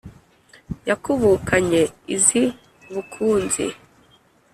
yakubukanye iz'i bukunzi